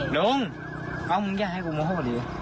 ลงมามันยากให้กูบวนเฮิตอียด